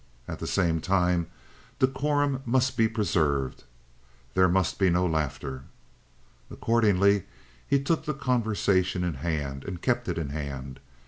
At the same time, decorum must be preserved; there must be no laughter. Accordingly he took the conversation in hand, and kept it in hand. Mr.